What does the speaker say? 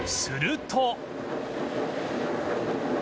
すると